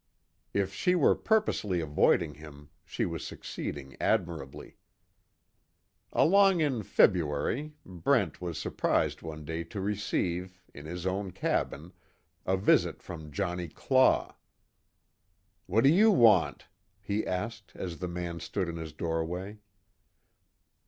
If she were purposely avoiding him, she was succeeding admirably. Along in February, Brent was surprised one day to receive, in his own cabin, a visit from Johnny Claw. "What do you want?" he asked as the man stood in the doorway.